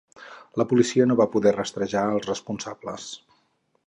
La policia no va poder rastrejar els responsables.